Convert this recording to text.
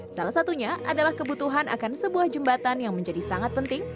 salah satunya adalah kebutuhan akan sebuah jembatan yang menjadi sangat penting